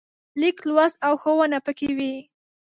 لیک لوست او ښوونه پکې وي.